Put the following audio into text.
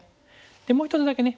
でもう１つだけね